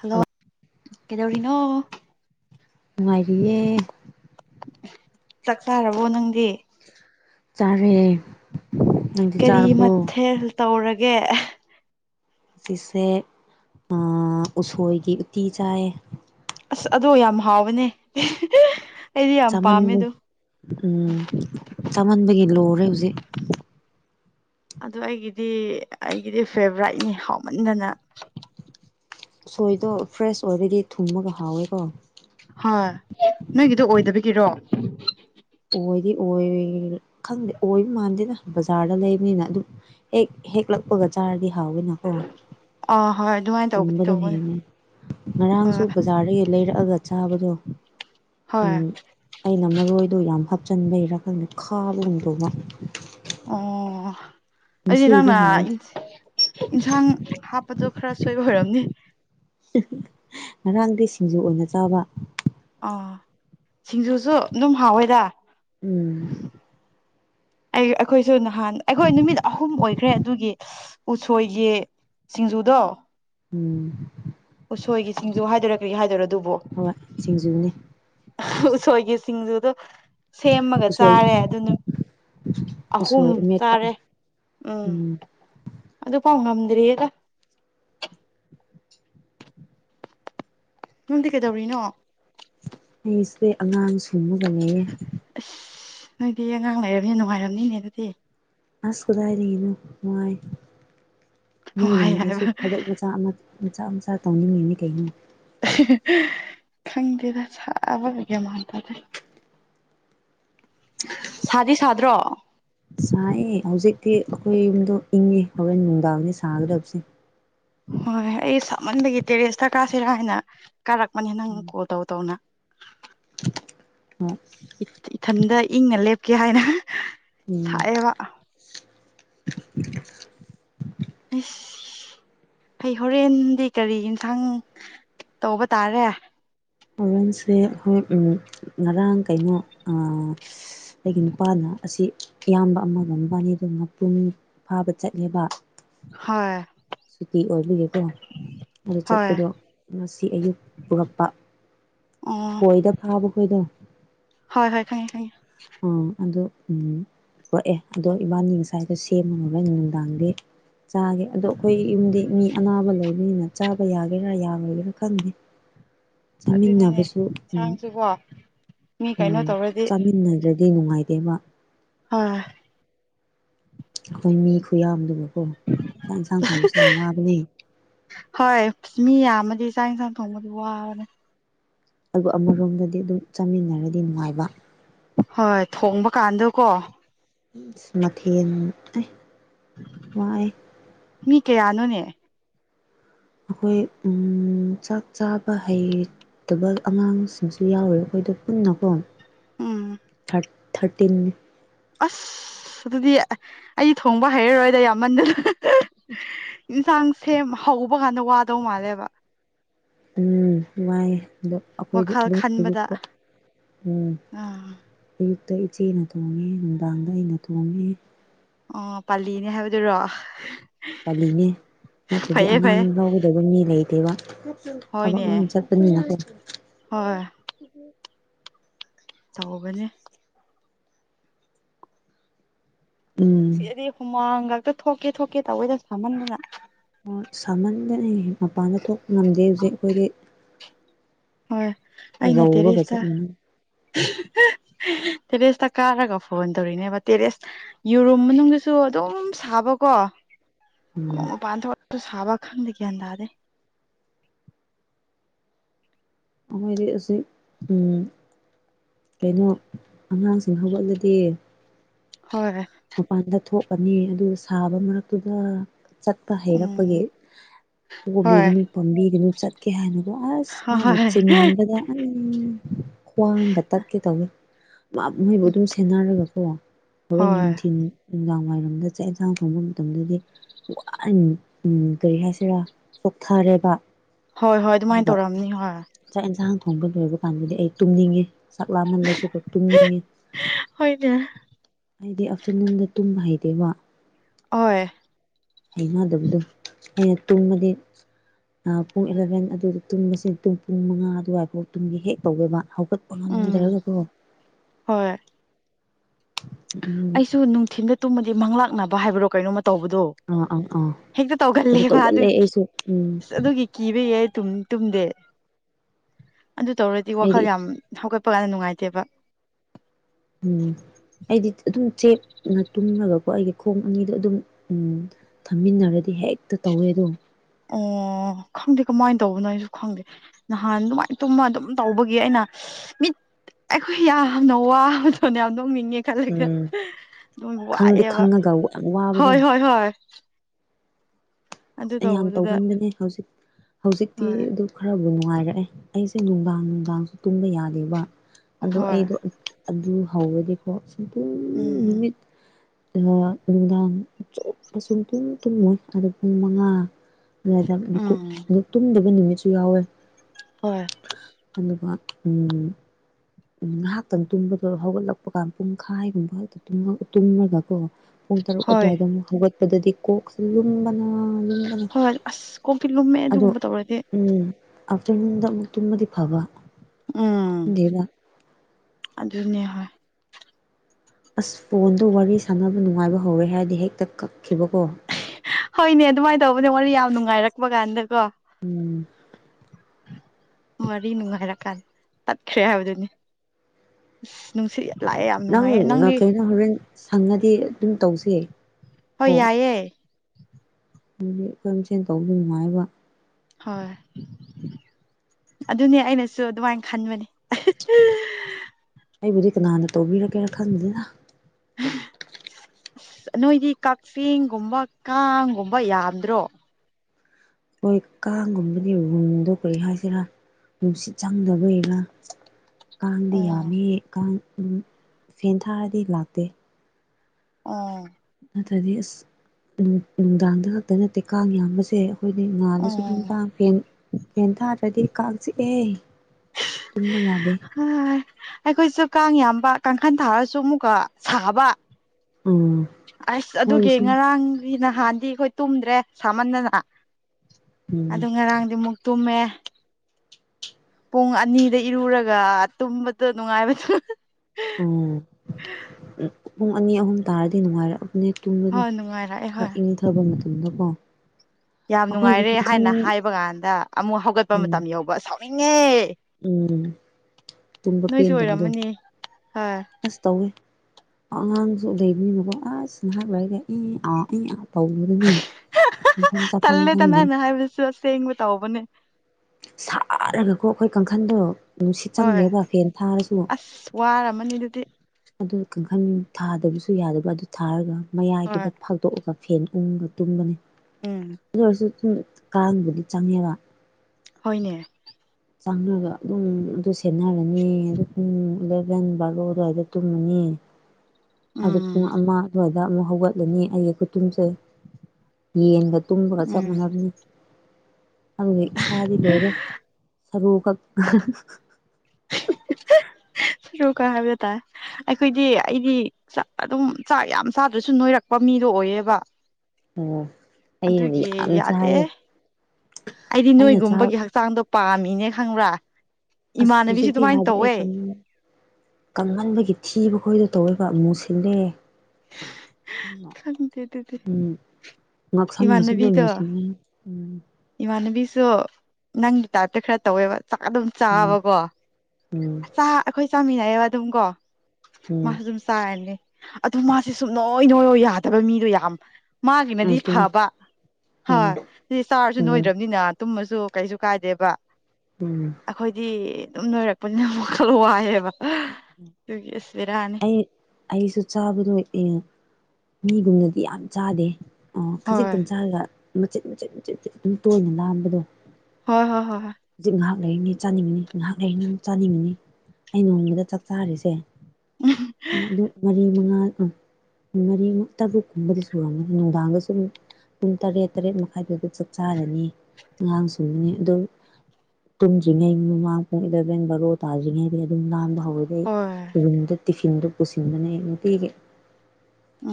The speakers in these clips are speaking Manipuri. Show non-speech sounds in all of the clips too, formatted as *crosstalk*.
ꯍꯜꯂꯣ ꯀꯩꯗꯧꯔꯤꯅꯣ ꯃꯔꯤꯌꯦ ꯆꯥꯛ ꯆꯥꯔꯕꯣ ꯅꯪꯗꯤ ꯆꯥꯔꯦ ꯅꯪꯗꯤ ꯀꯔꯤ ꯆꯥꯔꯕꯣ ꯃꯊꯦꯜ ꯇꯧꯔꯒꯦ ꯁꯤꯁꯦ ꯎꯁꯣꯏꯒꯤ ꯎꯇꯤ ꯆꯥꯏꯑ ꯑꯁ ꯑꯗꯨꯣ ꯌꯥꯝ ꯍꯥꯎꯕꯅꯦ ꯑꯩꯗꯤ ꯌꯥꯝ ꯃꯟ ꯄꯥꯝꯃꯦ ꯑꯗꯣ ꯎꯝ ꯆꯥꯃꯟꯕꯒꯤ ꯂꯔꯦ ꯍꯧꯖꯤꯛ ꯑꯗꯨ ꯑꯩꯒꯤꯗꯤ ꯑꯩꯒꯤꯗꯤ ꯐꯦꯚꯣꯔꯥꯏꯠꯅꯤ ꯍꯥꯎꯃꯟꯗꯅ ꯁꯣꯏꯗꯣ ꯐ꯭ꯔꯦꯁ ꯑꯣꯏꯔꯗꯤ ꯊꯨꯝꯃꯒ ꯍꯥꯎꯋꯦꯀꯣ ꯍꯣꯏ ꯅꯣꯏꯒꯤꯗꯣ ꯑꯣꯏꯗꯕꯤꯒꯤꯔꯣ ꯑꯣꯏ ꯑꯣꯏꯗꯤ ꯑꯣꯏ ꯈꯪꯗꯦ ꯑꯣꯏꯕ ꯃꯥꯟꯗꯦꯅ ꯕꯖꯥꯔꯗ ꯂꯩꯕꯅꯤꯅ ꯑꯗꯨꯝ ꯍꯦꯛ ꯍꯦꯛꯂꯛꯄꯒ ꯆꯥꯔꯗꯤ ꯍꯥꯎ ꯑꯥ ꯍꯣꯏ ꯑꯗꯨꯃꯥꯏꯅ ꯇꯧꯕꯗꯤ ꯊꯕꯗꯣ ꯇꯧꯕꯅꯦ ꯍꯦꯉ ꯉꯔꯥꯡꯁꯨ ꯍꯣꯏ ꯕꯖꯥꯔꯗ ꯂꯩꯔꯛꯑꯒ ꯆꯥꯕꯗꯣ ꯍꯣꯏ ꯑꯩꯅ ꯃꯔꯣꯏ ꯑꯗꯨ ꯌꯥꯝ ꯍꯥꯞꯆꯤꯟꯕꯩꯔꯀꯪꯗ ꯈꯥ ꯂꯣꯡꯗꯧꯅ ꯑꯣ ꯑꯗꯨꯗꯤ ꯅꯪꯅ ꯍꯥꯎꯋꯦ ꯌꯦꯟꯁꯥꯡ ꯍꯥꯞꯄꯗꯣ ꯈꯔ ꯁꯣꯏꯕ ꯑꯣꯏꯔꯝꯅꯤ ꯉꯔꯥꯡꯗꯤ ꯁꯤꯡꯖꯨ ꯑꯣꯏꯅ ꯆꯥꯕ ꯑꯥ ꯁꯤꯡꯖꯨꯁꯨ ꯑꯗꯨꯝ ꯍꯥꯎꯋꯦꯗ ꯎꯝ ꯑꯩ ꯑꯩꯈꯣꯏꯁꯨ ꯅꯍꯥꯟ ꯑꯩꯈꯣꯏ ꯅꯨꯃꯤꯠ ꯑꯍꯨꯝ ꯑꯣꯏꯈ꯭ꯔꯦ ꯑꯗꯨꯒꯤ ꯎꯁꯣꯏꯒꯤ ꯁꯤꯡꯖꯨꯗꯣ ꯎꯝ ꯎꯁꯣꯏꯒꯤ ꯁꯤꯡꯖꯨ ꯍꯥꯏꯗꯔꯛ ꯀꯒꯤ ꯍꯥꯏꯗꯣꯏꯔ ꯑꯗꯨꯕꯨꯣ ꯍꯣꯏ ꯁꯤꯡꯖꯨꯅꯦ ꯎꯁꯣꯏꯒꯤ ꯁꯤꯡꯖꯨꯗꯣ ꯁꯦꯝꯃꯒ ꯎꯁꯣꯏ ꯆꯥꯔꯦ ꯑꯗꯨ ꯅꯨ ꯑꯍꯨꯝ ꯎꯁꯣꯏ ꯑꯃꯦꯠꯄ ꯆꯥꯔꯦ ꯎꯝ ꯑꯗꯨꯐꯥꯎ ꯉꯝ ꯇꯔꯤꯒ ꯅꯨꯡꯗꯤ ꯀꯩꯗꯧꯔꯤꯅꯣ ꯏꯁꯗ ꯑꯉꯥꯡ ꯁꯃꯒꯅꯦꯌꯦ ꯅꯣꯏꯗꯤ ꯑꯉꯥꯡ ꯂꯩꯔꯕꯅꯤ ꯅꯨꯡꯉꯥꯏꯔꯝꯅꯤꯅꯦ ꯑꯗꯨꯗꯤ ꯑꯁ ꯀꯗꯥꯏꯗꯅꯣ ꯅꯨꯡꯉꯥꯏ ꯋꯥꯏ ꯅꯣꯏꯒꯨꯝꯅ ꯑꯩꯁꯨ ꯍꯥꯏꯕ ꯊꯕꯛ ꯃꯆꯥ ꯑꯃ ꯃꯁꯥ ꯃꯁꯥ ꯇꯧꯅꯤ ꯃ ꯀꯩꯅꯤ ꯈꯪꯗꯦꯗ ꯁꯥꯕꯒꯦ ꯃꯇꯗꯦ ꯁꯥꯗꯤ ꯁꯥꯗ꯭ꯔꯣ ꯁꯥꯏꯌꯦ ꯍꯧꯖꯤꯛꯇꯤ ꯑꯩꯈꯣꯏ ꯌꯨꯝꯗꯣ ꯏꯪꯉꯦ ꯍꯣꯔꯦꯟ ꯅꯨꯡꯗꯥꯡꯅꯤ ꯁꯥꯒꯗ꯭ꯔꯕꯁꯦ ꯍꯣꯏꯣꯏ ꯑꯩ ꯁꯥꯃꯟꯕꯒꯤ ꯇꯦꯔꯦꯁꯇ ꯀꯥꯁꯤꯔꯥ ꯍꯥꯏꯅ ꯀꯥꯔꯛꯄꯅꯦ ꯅꯪ ꯀꯣꯜ ꯇꯧ ꯇꯧꯅ ꯑꯣ ꯏꯊꯟꯗ ꯏꯪꯅ ꯂꯦꯞꯀꯦ ꯍꯥꯏꯅ ꯎꯝ ꯁꯥꯏꯑꯦꯕ *inaudible* ꯑꯁ ꯍꯩ ꯍꯣꯔꯦꯟꯗꯤ ꯀꯔꯤ ꯌꯦꯟꯁꯥꯡ ꯇꯧꯕ ꯇꯥꯔꯦ ꯍꯣꯔꯦꯟꯁꯦ ꯑꯩꯈꯣꯏ ꯉꯔꯥꯡ ꯀꯩꯅꯣ ꯑꯩꯒꯤ ꯅꯨꯄꯥꯅ ꯑꯁꯤ ꯏꯌꯥꯝꯕ ꯑꯃꯒ ꯋꯥꯅꯤ ꯑꯗꯨꯅ ꯄꯨꯨꯡꯅꯤꯡ ꯐꯥꯕ ꯆꯠꯂꯦꯕ ꯍꯣꯏ ꯁꯨꯇꯤ ꯑꯣꯏꯕꯒꯤꯀꯣ ꯑꯗꯨ ꯍꯣꯏ ꯆꯠꯄꯗꯣ ꯉꯁꯤ ꯑꯌꯨꯛ ꯄꯨꯔꯛꯄ ꯑꯣ ꯈꯣꯏꯗ ꯐꯥꯕ ꯈꯣꯏꯗ ꯍꯣꯏ ꯍꯣꯏ ꯈꯪꯉ ꯈꯉ ꯑꯗꯨ ꯎꯝ ꯄꯣꯛꯑꯦ ꯑꯗꯣ ꯏꯕꯥꯅꯤ ꯉꯁꯥꯏꯗ ꯁꯦꯝꯃꯨꯅꯣꯕ ꯅꯨꯡꯗꯥꯡꯗꯤ ꯆꯥꯒꯦ ꯑꯗꯣ ꯑꯩꯈꯣꯏ ꯌꯨꯝꯗꯤ ꯃꯤ ꯑꯅꯥꯕ ꯂꯩꯕꯅꯤꯅ ꯆꯥꯕ ꯌꯥꯒꯦꯔꯥ ꯌꯥꯔꯒꯦꯔꯥ ꯈꯪꯉꯤ ꯑꯗꯨꯅꯤꯅꯦ ꯆꯥꯃꯤꯟꯅꯕꯁꯨ ꯎ ꯌꯦꯟꯁꯥꯡꯁꯨꯀꯣ ꯃꯤ ꯀꯩꯅꯣ ꯎꯝ ꯇꯧꯔꯗꯤ ꯆꯥꯃꯤꯟꯅꯗ꯭ꯔꯗꯤ ꯅꯨꯡꯉꯥꯏꯇꯦꯕ ꯑꯥ ꯑꯩꯈꯣꯏ ꯃꯤ ꯈꯨ ꯌꯥꯝꯕꯗꯨꯕꯀꯣ ꯆꯥꯛ ꯌꯦꯟꯁꯥꯡ ꯊꯣꯡꯕꯁꯦ ꯌꯥꯝ ꯋꯥꯕꯅꯦ ꯍꯣꯏ ꯃꯗꯤ ꯆꯥꯏꯁꯥꯡ ꯊꯣꯡꯃꯗꯤ ꯋꯥꯅꯦ ꯑꯗꯨ ꯑꯃꯔꯣꯝꯗꯗꯤ ꯑꯗꯨꯝ ꯆꯥꯃꯤꯟꯅꯔꯗꯤ ꯅꯨꯡꯉꯥꯏꯕ ꯍꯣꯏ ꯊꯣꯡꯕ ꯀꯥꯟꯗꯀꯣ ꯃꯊꯦꯜ ꯑꯦ ꯋꯥꯑꯦ ꯀꯌꯥꯅꯨꯅꯦ ꯑꯩꯈꯣꯏ ꯆꯥꯛ ꯆꯥꯕ ꯍꯩ ꯑꯗꯨꯒ ꯑꯉꯥꯡꯁꯤꯡꯁꯨ ꯌꯥꯎꯋꯦ ꯑꯩꯈꯣꯏꯗꯣ ꯄꯨꯟꯅꯀꯣ ꯊꯔ ꯊꯔꯇꯤꯟ ꯑꯁ ꯑꯁ ꯑꯗꯨꯗꯤ ꯑꯩ ꯊꯣꯡꯕ ꯍꯩꯔꯔꯣꯏꯗ ꯌꯥꯝꯃꯟꯗꯅ ꯌꯦꯟꯁꯥꯡ ꯁꯦꯝꯃ ꯍꯧꯕ ꯀꯥꯟꯗ ꯋꯥꯗꯧ ꯃꯥꯜꯂꯦꯕ ꯎꯝ ꯋꯥꯏ ꯑꯗ ꯑꯩꯈꯣꯏꯗꯤ ꯋꯥꯈꯜ ꯑꯗꯨꯝ ꯈꯟꯕꯗ ꯑꯌꯨꯛꯇ ꯎ ꯑꯥ ꯑꯌꯨꯛꯇ ꯛꯇ ꯏꯆꯦꯅ ꯇꯣꯡꯉꯦ ꯅꯨꯡꯗꯥꯡꯗ ꯑꯩꯅ ꯇꯣꯡꯉꯦ ꯑꯣ ꯄꯥꯜꯂꯤꯅꯦ ꯍꯥꯏꯕꯗꯨꯔꯣ ꯄꯥꯂꯤꯅꯦ ꯅꯠꯇ꯭ꯔꯗꯤ ꯐꯩꯌꯦ ꯑꯉꯥꯡ ꯐꯩꯌꯦ ꯂꯧꯒꯗꯕ ꯃꯤ ꯂꯩꯇꯦꯕ ꯊꯕꯛ ꯍꯣꯏꯅꯦ ꯆꯠꯄꯅꯤꯅꯈ ꯍꯣꯏ ꯆꯥꯎꯒꯅꯦ ꯎꯝ ꯁꯤꯗꯤ ꯍꯨꯃꯥꯡ ꯈꯛꯇ ꯊꯣꯛꯀꯦ ꯊꯣꯛꯀꯦ ꯇꯧꯋꯦꯗ ꯁꯥꯃꯟꯗꯅ ꯁꯥꯃꯟꯗ ꯃꯄꯥꯟꯗ ꯊꯣꯛꯄ ꯉꯝꯗꯦ ꯍꯧꯖꯤꯛ ꯑꯩꯈꯣꯏꯗꯤ ꯍꯣꯏ ꯑꯩꯅ ꯔꯧꯔꯒ ꯇꯦꯔꯤꯁꯇ ꯆꯠꯅꯤꯡꯉꯤ ꯇꯦꯔꯦꯁꯇ ꯀꯥꯔꯒ ꯐꯣꯟ ꯇꯧꯔꯤꯅꯦꯕ ꯇꯦꯔꯦꯁ ꯌꯨꯔꯨꯝ ꯃꯅꯨꯡꯁꯨ ꯑꯗꯨꯝ ꯁꯥꯕꯀꯣ ꯎꯝ ꯄꯥꯟꯊ ꯁꯥꯕ ꯈꯪꯗ ꯀꯗꯔꯦ ꯑꯗꯤ ꯑꯁꯤ ꯎꯝ ꯀꯩꯅꯩꯅꯣ ꯑꯉꯥꯡꯁꯤꯡ ꯍꯧꯒꯠꯂꯗꯤ ꯍꯣꯏ ꯃꯄꯥꯟꯗ ꯊꯣꯛ ꯄꯅꯤ ꯑꯗꯨ ꯁꯥꯕ ꯃꯔꯛꯇꯨꯗ ꯆꯠꯄ ꯎꯝ ꯍꯩꯔꯛꯄꯒꯤ ꯍꯣꯏ ꯄꯣꯝꯕꯤꯒꯅꯨ ꯄꯥꯝꯕꯤꯒꯅꯨ ꯆꯠꯀꯦ ꯍꯥꯏꯅꯒꯣ ꯑꯁ ꯃꯥꯕꯨ ꯍꯣꯏ ꯍꯕꯗ ꯑꯩ ꯈ꯭ꯋꯥꯡꯒ ꯇꯠꯀꯦ ꯇꯧꯋꯤ ꯃꯣꯏꯕꯨ ꯑꯗꯨꯝ ꯁꯦꯟꯅꯔꯒꯀꯣ ꯍꯣꯔꯦꯟ ꯍꯣꯏ ꯅꯨꯡꯊꯤꯟ ꯅꯨꯡꯗꯥꯡ ꯃꯋꯥꯏꯔꯣꯝꯗ ꯆꯥꯛ ꯌꯦꯟꯁꯥꯡ ꯐꯣꯡꯕ ꯃꯇꯝꯗꯗꯤ ꯋꯥ ꯎꯝ ꯀꯔꯤ ꯍꯥꯏꯁꯤꯔꯥ ꯆꯣꯛꯊꯔꯦꯕ ꯍꯣꯏ ꯍꯣꯏ ꯑꯗꯨꯃꯥꯏꯅ ꯇꯧꯔꯑꯝꯅꯤ ꯍꯣꯏ ꯑꯦꯟꯖꯥꯡ ꯊꯣꯡꯕ ꯂꯣꯏꯕ ꯀꯥꯟꯗꯗꯤ ꯑꯩ ꯇꯨꯝꯅꯤꯡꯉꯦ ꯁꯥꯛꯂꯥꯃꯟꯂꯁꯨ ꯈ ꯇꯨꯝꯅꯤꯡꯉꯤ ꯍꯣꯏꯅꯦ ꯍꯥꯏꯗꯤ ꯑꯥꯐꯇꯔꯅꯨꯟꯗ ꯇꯨꯝꯕ ꯍꯩꯗꯦꯕ ꯍꯣꯏ ꯍꯩꯅꯗꯕꯗꯣ ꯑꯩꯅ ꯇꯨꯝꯃꯗꯤ ꯄꯨꯡ ꯏꯂꯚꯦꯟ ꯑꯗꯨ ꯇꯨꯝꯁꯦꯨꯡ ꯄꯨꯡ ꯃꯉꯥ ꯑꯗꯨꯋꯥꯏꯐꯥꯎ ꯇꯨꯡꯒꯤ ꯍꯦꯛ ꯇꯧꯋꯦꯕ ꯍꯧꯒꯠꯄ ꯎꯝ ꯉꯝꯅꯗ꯭ꯔꯒꯀꯣ ꯍꯣꯏ ꯑꯩꯁꯨ ꯅꯨꯡꯊꯤꯟꯗ ꯇꯨꯝꯃꯗꯤ ꯃꯪꯂꯥꯛꯅꯕ ꯍꯥꯏꯕ꯭ꯔꯣ ꯀꯩꯅꯣꯝ ꯇꯧꯕꯗꯣ ꯑꯥ ꯑꯥ ꯑꯥ ꯍꯦꯛꯇ ꯇꯧꯒꯜꯂꯦꯕ ꯑꯗꯨ ꯇꯧꯒꯜꯂꯦ ꯑꯩꯁꯨ ꯎꯝ ꯑꯁ ꯑꯗꯨꯒꯤ ꯀꯤꯕ ꯌꯥꯏ ꯇꯨꯝꯗꯦ ꯑꯗꯨ ꯇꯧꯔꯗꯤ ꯋꯥꯈꯜ ꯑꯩꯗꯤ ꯌꯥꯝ ꯍꯧꯒꯠꯄ ꯆꯄ ꯀꯥꯟꯗ ꯅꯨꯡꯉꯥꯏꯇꯦꯕ ꯎꯝ ꯑꯩꯗꯤ ꯑꯗꯨ ꯆꯦꯠꯅ ꯇꯨꯝꯃꯒꯀꯣ ꯑꯩꯒꯤ ꯈꯣꯡ ꯑꯅꯤꯗꯣ ꯑꯗꯨꯝ ꯊꯝꯃꯤꯟꯅꯔꯗꯤ ꯗꯤ ꯍꯦꯛꯇ ꯇꯧꯋꯦꯗꯣ ꯑꯣ ꯈꯪꯗꯦ ꯀꯃꯥꯏꯅ ꯇꯧꯕꯅꯣ ꯍꯥꯏ ꯑꯩꯁꯨ ꯈꯪꯗꯦ ꯅꯍꯥꯟ ꯑꯗꯨꯃꯥꯏꯅ ꯇꯨꯝꯃ ꯑꯗꯨꯝ ꯇꯧꯕꯒꯤ ꯑꯩꯅ ꯃꯤꯠ ꯑꯩꯈꯣꯏ ꯌꯥꯝꯅ ꯋꯥꯕꯗꯣꯅꯦ ꯌꯥꯝ ꯍꯣꯡꯅꯤꯡꯉꯦ ꯈꯜꯂꯒ ꯎꯝ ꯑꯗꯨꯝ ꯈꯪꯗꯤ ꯋꯥꯏꯑꯦꯕ ꯈꯪꯉꯒ ꯌꯥꯝ ꯋꯥꯕꯗꯣ ꯍꯣꯏ ꯍꯣꯏ ꯍꯣꯏ ꯑꯗꯨ ꯌꯥꯝ ꯌꯥꯝ ꯇꯧꯕꯗꯨꯗ ꯇꯧꯒꯟꯕꯅꯦ ꯍꯧꯖꯤꯛ ꯍꯧꯖꯤꯛꯇꯤ ꯍꯣꯏ ꯑꯗꯨ ꯈꯔꯕꯨ ꯅꯨꯡꯉꯥꯏꯔꯛꯑꯦ ꯑꯩꯁꯦ ꯅꯨꯡꯗꯥꯡ ꯅꯨꯡꯗꯥꯡꯁꯨ ꯇꯨꯝꯕ ꯌꯥꯗꯦꯕ ꯑꯗꯣ ꯍꯣꯏ ꯑꯩꯗꯣ ꯑꯗꯨ ꯍꯒꯗꯤꯀꯣ ꯁ ꯑꯗꯨꯝ ꯎꯝ ꯅꯨꯃꯤꯠ ꯅꯨꯡꯗꯥꯡ ꯆꯣꯞꯄꯁꯨꯡ ꯇꯨꯝ ꯇꯨꯝꯃꯣꯏ ꯑꯗꯨ ꯄꯨꯡ ꯃꯉꯥ ꯦꯗꯥꯀꯨꯞ ꯎꯝ ꯇꯨꯝꯗꯕ ꯅꯨꯃꯤꯠꯁꯨ ꯌꯥꯎꯋꯦ ꯍꯣꯏ ꯀꯄꯥ ꯎꯝ ꯎ ꯉꯥꯏꯍꯥꯛꯇꯪ ꯇꯨꯝꯕꯗꯣ ꯍꯧꯒꯠꯂꯛꯄ ꯀꯥꯟ ꯄꯨꯡꯈꯥꯏꯒꯨꯝꯕ ꯇꯨꯝꯃꯒꯀꯣ ꯄꯨꯡ ꯇꯔꯨꯛ ꯍꯣꯏ ꯑꯗꯨꯋꯥꯏꯗ ꯑꯃꯨꯛ ꯍꯧꯒꯠꯄꯗꯗꯤ ꯀꯣꯛꯁ ꯍꯣꯏꯣꯏ ꯑꯁ ꯀꯣꯀꯤ ꯂꯨꯝꯃꯦ ꯑꯗꯨꯒꯨꯝꯕ ꯇꯧꯔꯗꯤ ꯑꯗꯇꯃꯗꯤ ꯐꯕ ꯎꯝ ꯈꯪꯗꯦꯕ ꯑꯗꯨꯅꯦ ꯍ ꯑꯁ ꯐꯣꯟꯗ ꯋꯥꯔꯤ ꯁꯥꯟꯅꯕ ꯅꯨꯡꯉꯥꯏꯕ ꯍꯧꯔꯦ ꯍꯥꯏꯔꯗꯤ ꯍꯦꯛꯇ ꯀꯛꯈꯤꯕꯀꯣ ꯍꯣꯏꯅꯦ ꯑꯗꯨꯃꯥꯏꯅ ꯇꯧꯕꯅꯦ ꯋꯥꯔꯤ ꯌꯥꯝ ꯅꯨꯡꯉꯥꯏꯔꯛꯄ ꯀꯥꯟꯗ ꯀꯣ ꯎꯝ ꯋꯥꯔꯤ ꯅꯨꯡꯉꯥꯏꯔꯀꯥꯟꯗ ꯇꯠꯈ꯭ꯔꯦ ꯍꯥꯏꯕꯗꯨꯅꯤ ꯁꯤꯔꯤ ꯅꯪ ꯀꯩꯅꯣ ꯍꯣꯔꯦꯟ ꯁꯪꯉꯗꯤ ꯑꯗꯨꯝ ꯇꯧꯁꯦ ꯍꯣꯏ ꯀꯣ ꯌꯥꯏꯑꯦ ꯑꯗꯨꯗꯤ ꯑꯩꯈꯣꯏ ꯃꯁꯦꯟ ꯇꯧꯕꯗ ꯅꯨꯡꯉꯥꯏꯕ ꯍꯣꯏ ꯑꯗꯨꯅꯦ ꯑꯩꯅꯁꯨ ꯑꯗꯨꯃꯥꯏꯅ ꯈꯟꯕꯅꯦ ꯑꯩꯕꯨꯗꯤ ꯀꯅꯥꯅ ꯇꯧꯕꯤꯔꯒꯦꯅ ꯈꯟꯕꯅꯤꯅ ꯑꯁ ꯅꯣꯏꯗꯤ ꯀꯛꯆꯤꯡꯒꯨꯝꯕ ꯀꯥꯡꯒꯨꯝꯕ ꯌꯥꯝꯗ꯭ꯔꯣ ꯍꯣꯏ ꯀꯥꯡꯒꯨꯝꯕꯅꯦꯕꯒꯨꯝꯗꯣ ꯀꯔꯤ ꯍꯥꯏꯁꯤꯔꯥ ꯅꯨꯡꯁꯤꯠ ꯆꯪꯗꯕꯅ ꯀꯥꯡꯗꯤ ꯑꯣ ꯌꯥꯝꯃꯦ ꯀꯥꯡ ꯑꯗꯨꯝ ꯐꯦꯟ ꯊꯥꯔꯗꯤ ꯂꯥꯛꯇꯦ ꯑꯣ ꯅꯠꯇ꯭ꯔꯗꯤ ꯑꯁ ꯅꯨꯡꯗꯥꯡꯗ ꯉꯇ ꯅꯠꯇꯦ ꯀꯥꯡ ꯌꯥꯝꯕꯁꯦ ꯑꯩꯈꯣꯏꯗꯤ ꯉꯥꯗꯁꯨ ꯑꯣ ꯑꯗꯨꯝ ꯀ ꯐꯦꯟ ꯐꯦꯟ ꯊꯥꯗ꯭ꯔꯗꯤ ꯀ ꯆꯤꯛꯑꯦ ꯇꯃ ꯌꯥꯗꯦ ꯍꯥꯏ ꯑꯩꯈꯣꯏꯁꯨ ꯀꯥꯡ ꯌꯥꯝꯕ ꯀꯥꯡꯈꯜ ꯊꯥꯔꯁꯨ ꯑꯃꯨꯛꯀ ꯁꯥꯕ ꯎꯝ ꯑꯁ ꯑꯗꯨꯒꯤ ꯃꯣꯏꯒꯤꯁꯨ ꯉꯔꯥꯡꯒꯤꯅ ꯅꯍꯥꯟꯗꯤ ꯑꯩꯈꯣꯏ ꯇꯨꯝꯗ꯭ꯔꯦ ꯁꯥꯃꯟꯗꯅ ꯎꯝ ꯑꯗꯨ ꯉꯔꯥꯡꯗꯤ ꯃꯨꯛ ꯇꯨꯝꯃꯦ ꯄꯨꯡ ꯑꯅꯤꯗ ꯏꯔꯨꯔꯒ ꯇꯨꯝꯕꯗꯣ ꯅꯨꯡꯉꯥꯏꯕꯗꯨ ꯎ ꯎ ꯄꯨꯡ ꯑꯅꯤ ꯑꯍꯨꯝ ꯇꯥꯔꯗꯤ ꯅꯨꯡꯉꯥꯏꯔꯦ ꯃꯇꯨꯡꯗ ꯍꯣꯏ ꯅꯨꯡꯉꯥꯏꯔꯛꯑꯦ ꯍꯣꯏ ꯈꯔ ꯏꯪꯊꯕ ꯃꯇꯝꯗꯀꯣ ꯌꯥꯝ ꯑꯩꯈꯣꯏꯒꯤ ꯅꯨꯡꯉꯥꯏꯔꯦ ꯀꯥꯡꯈꯟ ꯍꯥꯏꯅ ꯍꯥꯏꯕ ꯀꯥꯟꯗ ꯑꯃꯨꯛ ꯍꯧꯒꯠꯄ ꯎꯝ ꯃꯇꯝ ꯌꯧꯕ ꯁꯥꯎꯅꯤꯡꯉꯦ ꯎꯝ ꯇꯨꯝꯕ ꯅꯣꯏꯁꯨ ꯄꯦꯟꯗꯕꯗꯣ ꯑꯣꯏꯔꯝꯃꯅꯤ ꯍꯣꯏ ꯑꯁ ꯇꯧꯋꯦ ꯑꯉꯥꯡꯁꯨ ꯂꯩꯕꯤꯅꯀꯣ ꯑꯁ ꯉꯥꯏꯍꯥꯛ ꯂꯩꯔꯤꯒꯦ ꯏ ꯑ ꯑ ꯇꯧꯗꯔꯅꯦ ꯌꯨꯡꯐꯝ ꯆꯥꯐꯝ ꯇꯜꯂꯦꯗ ꯈꯪꯗꯦ ꯅꯪꯅ ꯍꯥꯏꯕꯗꯨꯁꯨ ꯑꯁꯦꯡꯕ ꯇꯧꯕꯅꯦ ꯁꯥꯔꯒꯀꯣ ꯑꯩꯈꯣꯏ ꯀꯥꯡꯈꯟꯗꯣ ꯑꯗꯨꯝ ꯁꯤꯠ ꯍꯣꯏ ꯆꯪꯗꯦꯕ ꯐꯦꯟ ꯊꯥꯔꯁꯨ ꯑꯁ ꯋꯥꯔꯝꯃꯅꯤ ꯑꯗꯨꯗꯤ ꯑꯗꯨ ꯀꯥꯡꯈꯟ ꯊꯥꯗꯕꯁꯨ ꯌꯥꯗꯕ ꯑꯗꯨ ꯊꯥꯔꯒ ꯍꯣꯏ ꯃꯌꯥꯏꯗꯨꯗ ꯐꯥꯗꯣꯛꯑꯒ ꯐꯦꯟ ꯎꯡꯒ ꯇꯨꯝꯕꯅꯤ ꯎꯝ ꯑꯗꯨ ꯑꯣꯏꯔꯁꯨ ꯁꯨꯝ ꯀꯥꯡꯕꯨꯗꯤ ꯆꯪꯉꯦꯕ ꯍꯣꯏꯅꯦ ꯆꯥꯡꯉꯒ ꯑꯗꯨꯝ ꯑꯗꯨ ꯁꯦꯠꯟꯅꯔꯅꯤ ꯑꯗꯨꯝ ꯏꯂꯚꯦꯟ ꯕꯥꯜ ꯑꯗꯨꯋꯥꯏꯗ ꯇꯨꯝꯃꯅꯤ *unintelligible* ꯑꯗꯨ ꯎꯝ ꯄꯨꯡ ꯑꯃ ꯑꯗꯨꯋꯥꯏꯗ ꯑꯃꯨꯛ ꯍꯧꯒꯠꯂꯅꯤ ꯑꯩꯒꯤ ꯀꯨꯇꯨꯝꯁꯩ ꯌꯦꯟꯒ ꯇꯨꯝꯕꯒ ꯆꯞ ꯎꯝ ꯃꯥꯟꯅꯕꯅꯤ ꯑꯗꯨꯪꯗ ꯏꯁꯥꯗꯤ ꯂꯣꯏꯔꯦ ꯁꯔꯨ ꯀ ꯁꯔꯣꯛꯀ ꯍꯥꯏꯕ ꯇꯥꯏ ꯑꯩꯈꯣꯏꯗꯤ ꯑꯩꯗꯤ ꯆꯥꯛ ꯑꯗꯨꯝ ꯆꯥꯛ ꯌꯥꯝ ꯆꯥꯗ꯭ꯔꯁꯨ ꯅꯣꯏꯔꯛꯄ ꯃꯤ ꯗ ꯑꯣꯏꯌꯦꯕ ꯑꯣ ꯑꯩꯅꯗꯤ ꯑꯗꯨꯒꯤ ꯌꯥꯝ ꯌꯥꯗꯦ ꯆꯥꯏꯌꯦ ꯑꯩꯗꯤ ꯑꯩꯅ ꯆꯥ ꯅꯣꯏꯒꯨꯝꯕꯒꯤ ꯍꯛꯆꯥꯡꯗꯣ ꯄꯥꯝꯃꯤꯅꯦ ꯈꯪꯕ꯭ꯔꯥ ꯑꯁ ꯏꯃꯥꯟꯅꯕꯤꯁꯨ ꯍꯧꯖꯤꯛꯛꯇ ꯑꯗꯨꯃꯥꯏꯅ ꯍꯥꯏꯖ ꯇꯧꯋꯦ ꯀ ꯀꯪꯍꯟꯕꯒꯤ ꯊꯤꯕ ꯈꯣꯏꯗ ꯇꯧꯔꯤꯕ ꯑꯃꯨ ꯁꯤꯜꯂꯦ ꯎ ꯈꯪꯗꯦ ꯑꯗꯨꯗꯤ ꯎꯝ ꯉꯥꯛꯁꯪꯒꯁꯦ ꯏꯃꯥꯟꯅꯕꯤꯗꯣ ꯂꯣꯏꯨꯁꯤꯗꯅ ꯎꯝ ꯏꯃꯥꯟꯅꯕꯤꯁꯨ ꯅꯪꯒꯤ ꯇꯥꯏꯞꯇ ꯈꯔ ꯇꯧꯋꯦꯕ ꯆꯥꯛ ꯑꯗꯨꯝ ꯎꯝ ꯆꯥꯕꯀꯣ ꯎꯝ ꯆ ꯑꯩꯈꯣꯏ ꯆꯥꯃꯤꯟꯅꯩꯌꯦꯕ ꯑꯗꯨꯝ ꯀꯣ ꯎꯝ ꯃꯥꯁꯨ ꯑꯗꯨꯝ ꯆꯥꯔꯅꯤ ꯑꯗꯨ ꯃꯥꯁꯦ ꯁꯨꯝ ꯅꯣꯏ ꯅꯣꯏꯔꯣꯏ ꯌꯥꯗꯕ ꯃꯤꯗꯣ ꯌꯥꯝ ꯃꯥꯒꯤꯅꯗꯤ ꯑꯩꯁꯨꯅꯦ ꯐꯕ ꯎꯝ ꯍꯣꯏ ꯆꯥꯔꯁꯨ ꯎꯝ ꯅꯣꯏꯗ꯭ꯔꯕꯅꯤꯅ ꯇꯨꯝꯃꯁꯨ ꯁꯨ ꯀꯩꯁꯨ ꯀꯥꯏꯗꯦꯕ ꯎꯝ ꯑꯩꯈꯣꯏꯗꯤ ꯑꯗꯨꯝ ꯅꯣꯏꯔꯛꯄꯅꯤꯅ ꯑꯃꯨꯛ ꯈꯜ ꯋꯥꯏꯑꯦꯕ ꯎ ꯑꯗꯨꯒꯤ ꯑꯁ ꯕꯦꯔꯥꯅꯤ ꯑꯩ ꯑꯩꯁꯨ ꯆꯥꯕꯗꯣꯏ ꯃꯤꯒꯨꯝꯅꯗꯤ ꯌꯥꯝ ꯆꯥꯗꯦ ꯍꯣꯏ ꯈꯖꯤꯛꯇꯪ ꯆꯥꯔꯒ ꯃꯆꯦꯠ ꯃꯆꯦꯠ ꯃꯆꯦꯠ ꯃꯆꯦꯠ ꯑꯗꯨꯝ ꯇꯣꯏꯅ ꯂꯅꯥꯝꯕꯗꯣ ꯍꯣꯏ ꯍꯣꯏ ꯍꯣꯏ ꯥꯛ ꯂꯩꯔꯤꯅꯤ ꯆꯥꯅꯤꯡꯉꯤꯅꯤ ꯉꯥꯏꯍꯥꯛ ꯂꯩꯔꯤꯅꯤꯩ ꯑꯃꯨꯛ ꯆꯥꯅꯤꯡꯉꯤꯅꯤ ꯑꯩ ꯅꯣꯡꯃꯗ ꯆꯥꯛ ꯆꯥꯔꯤꯁꯦ ꯑꯗꯨ ꯃꯔꯤ ꯃꯉꯥ ꯑ ꯃꯔꯤꯃꯨꯛ ꯇꯔꯨꯛ ꯀꯨꯝꯕꯗꯤ ꯁꯨꯔꯝꯒꯅꯤ ꯅꯨꯡꯗꯥꯡꯒ ꯁ ꯄꯨꯡ ꯇꯔꯦꯠ ꯇꯔꯦꯠ ꯃꯈꯥꯏꯗ ꯆꯥꯛ ꯆꯥꯔꯅꯤ ꯑꯉꯥꯡ ꯁꯨꯕꯅꯤ ꯑꯗꯣ ꯇꯨꯝꯗ꯭ꯔꯤꯉꯩ ꯃꯃꯥꯡꯄꯣꯛꯂꯕꯦꯟ ꯕꯔꯣ ꯇꯥꯗ꯭ꯔꯤꯉꯩꯗ ꯑꯗꯨꯝ ꯂ ꯍꯧꯋꯗꯩ ꯍꯣꯏ ꯔꯨꯝꯗ ꯇꯤꯐꯤꯟꯗ ꯄꯨꯁꯤꯟꯗꯅ ꯑꯩ ꯅꯨꯡꯇꯒꯤ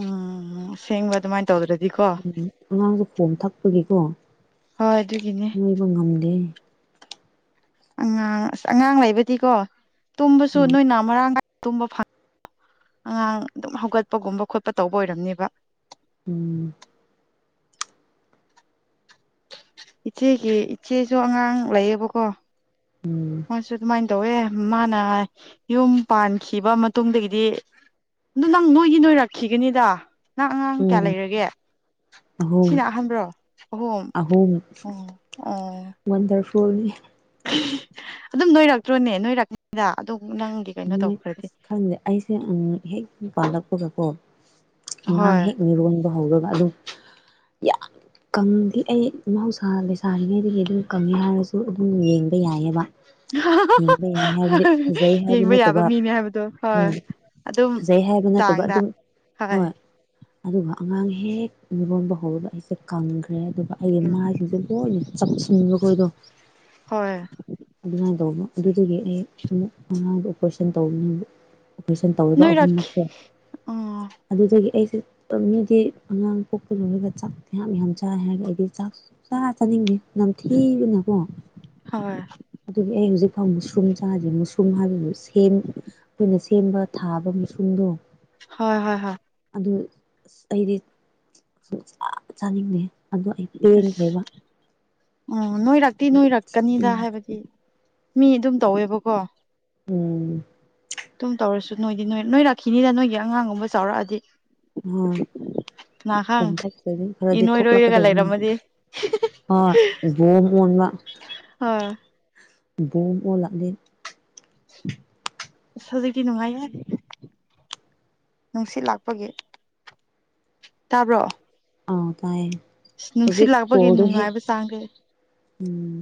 ꯎꯝ ꯁꯦꯡꯕ ꯑꯗꯨꯃꯥꯏꯅ ꯇꯧꯗ꯭ꯔꯗꯤꯀꯣ ꯈꯣꯡ ꯊꯛꯄꯒꯤꯀꯣ ꯍꯣꯏ ꯑꯗꯨꯒꯤꯅꯦ ꯅꯣꯏꯕ ꯉꯝꯗꯦ ꯑꯉꯥꯡ ꯑꯁ ꯑꯉꯥꯡ ꯂꯩꯕꯗꯤꯀꯣ ꯇꯨꯝꯕꯁꯨ ꯎꯝ ꯅꯣꯏꯅ ꯃꯔꯥꯡ ꯀꯥꯏ ꯇꯨꯝꯕ ꯐꯪ ꯑꯉꯥꯡ ꯑꯗꯨꯝ ꯍꯧꯒꯠꯄꯒꯨꯝꯕ ꯈꯣꯠꯄ ꯇꯧꯕ ꯑꯣꯏꯔꯝꯅꯦꯕ ꯎꯝ ꯏꯆꯦꯒꯤ ꯏꯆꯦꯁꯨ ꯑꯉꯥꯡ ꯂꯩꯌꯦꯕꯀꯣ ꯎꯝ ꯃꯥꯁꯨ ꯑꯗꯨꯃꯥꯏꯅ ꯇꯧꯋꯦ ꯃꯥꯅ ꯌꯨꯝ ꯄꯥꯟꯈꯤꯕ ꯃꯇꯨꯡꯗꯒꯤꯗꯤ ꯑꯗꯨ ꯅꯪ ꯅꯣꯏꯒꯤ ꯅꯣꯏꯔꯛꯈꯤꯒꯅꯤꯗ ꯅꯪ ꯑꯉꯥꯡ ꯀꯌꯥ ꯎꯝ ꯂꯩꯔꯒꯦ ꯑꯍꯨꯝ ꯁꯤꯅ ꯑꯍꯥꯟꯕꯕ꯭ꯔꯣ ꯑꯍꯣꯨꯝ ꯑꯍꯨꯝ ꯑꯣ ꯑꯣ ꯇꯣꯅꯤ ꯑꯗꯨꯝ ꯅꯣꯏꯔꯛꯇ꯭ꯔꯣꯅꯦ ꯅꯣꯏꯔꯛꯅꯤꯉꯩꯗ ꯑꯗꯨꯝ ꯅꯣꯏ ꯑꯁ ꯈꯪꯗꯦ ꯑꯩꯁꯦ ꯍꯦꯛ ꯄꯥꯜꯂꯛꯄꯒꯀꯣ ꯑꯉꯥꯡ ꯍꯣꯏ ꯍꯦꯛ ꯃꯤꯔꯣꯟꯕ ꯍꯧꯔꯒ ꯑꯗꯨꯝ ꯌꯥꯝ ꯀꯪꯗꯦ ꯑꯩ ꯃꯍꯧꯁꯥ ꯂꯩꯁꯥꯔꯤꯉꯗꯤ ꯑꯗꯨ ꯀꯉ ꯍꯥꯏꯔꯁꯨ ꯎꯝ ꯌꯦꯡꯕ ꯌꯥꯏꯑꯕ ꯌꯦꯡꯕ ꯌꯥꯏ ꯍꯥꯏꯕꯗꯤ ꯐꯖꯩ ꯍꯥꯏꯕ ꯌꯦꯡꯕ ꯌꯥꯕ ꯅꯠꯇꯕ ꯃꯤꯅꯦ ꯍꯥꯏꯕꯗꯣ ꯍꯣꯏ ꯎꯝ ꯑꯗꯨꯝ ꯐꯖꯩ ꯍꯥꯏꯕ ꯅꯠꯇꯕ ꯆꯥꯡꯗ ꯑꯗꯨꯝ ꯍꯣꯏ ꯑꯗꯨꯒ ꯑꯉꯥꯡ ꯍꯦꯛ ꯃꯤꯔꯣꯟꯕ ꯍꯧꯔꯒ ꯑꯩꯁꯦ ꯀꯪꯈ꯭ꯔꯦ ꯑꯗꯨꯒ ꯎꯝ ꯑꯩꯒꯤꯃꯁꯤꯡꯁꯦ ꯂꯣꯏꯅ ꯆꯞꯁꯤꯟꯕꯈꯣꯏꯗꯣ ꯍꯣꯏ ꯑꯗꯨꯃꯥꯏꯅ ꯇꯧꯕ ꯑꯗꯨꯗꯒꯤ ꯑꯩ ꯑꯃꯨꯛ ꯃꯉꯥꯡꯗ ꯑꯣꯄꯔꯦꯁꯟ ꯇꯧ ꯑꯣꯄꯔꯦꯁꯟ ꯇꯧꯔꯤꯕ ꯅꯣꯏꯔꯛꯈꯤ ꯑꯍꯨꯝꯃꯛꯁꯦ ꯎꯝ ꯑꯗꯨꯗꯒꯤ ꯑꯩ ꯃꯤꯗꯤ ꯑꯉꯥꯡ ꯄꯣꯛꯄ ꯂꯣꯏꯔꯒ ꯆꯥꯛꯁ ꯌꯥꯝ ꯌꯥꯝ ꯆꯥꯏ ꯍꯥꯏꯔꯒ ꯑꯩꯗꯤ ꯆꯥꯛ ꯆꯥ ꯆꯥꯅꯤꯡꯉꯦ ꯅꯝ ꯊꯤꯒꯅꯀꯣ ꯍꯣꯏ ꯑꯗꯨꯗꯤ ꯑꯩ ꯍꯧꯖꯤꯛ ꯐꯥꯎ ꯃꯨꯁꯔꯨꯝ ꯆꯥꯗꯦ ꯃꯨꯁ꯭ꯔꯨꯝ ꯍꯥꯏꯕꯗꯨ ꯁꯦꯝ ꯑꯩꯈꯣꯏꯅ ꯁꯦꯝꯕ ꯊꯥꯕ ꯃꯁꯨꯝꯗꯣ ꯍꯣꯏ ꯍꯣꯏ ꯍꯣꯏ ꯑꯗꯨ ꯑꯁ ꯑꯩꯗꯤ ꯁ ꯆ ꯆꯥꯅꯤꯡꯗꯦ ꯑꯗꯣ ꯑꯩ ꯄꯦꯟꯈ꯭ꯔꯦꯕ ꯑꯣ ꯅꯣꯏꯔꯛꯇꯤ ꯅꯣꯏꯔꯛꯀꯅꯤꯗ ꯍꯥꯏꯕꯗꯤ ꯃꯤ ꯑꯗꯨꯝ ꯇꯧꯋꯦꯕꯀꯣ ꯎꯝ ꯇꯨꯝ ꯇꯧꯔꯁꯨ ꯅꯣꯏꯗꯤ ꯅꯣꯏ ꯅꯣꯏꯔꯛꯈꯤꯅꯤꯗ ꯅꯣꯏꯒꯤ ꯑꯉꯥꯡꯒꯨꯝꯕ ꯆꯥꯎꯔꯛꯑꯗꯤ ꯑ ꯀꯅꯥ ꯈꯪ ꯈꯣꯣꯡꯊ ꯈꯔꯗꯤ ꯏꯅꯣꯏ ꯅꯣꯏꯔꯒ ꯊꯣꯛꯂꯛꯀꯗꯕꯅꯤ ꯂꯩꯔꯝꯃꯗꯤ ꯑꯣ ꯃꯟꯃ ꯑ ꯕꯣꯝ ꯑꯣꯜ ꯂꯥꯛꯂꯦ ꯖꯤꯒꯤ ꯅꯨꯡꯉꯥꯏꯌꯦ ꯅꯨꯡꯁꯤꯠ ꯂꯥꯛꯄꯒꯤ ꯇꯥꯕ꯭ꯔꯣ ꯑꯥꯎ ꯇꯥꯏꯌꯦ ꯑꯁ ꯅꯨꯡꯁꯤꯠ ꯍꯧꯖꯤꯛ ꯂꯥꯛꯄꯒꯤ ꯀꯣꯜꯗ ꯍꯦ ꯅꯨꯡꯉꯥꯏꯕ ꯆꯥꯡꯁꯦ ꯎꯝ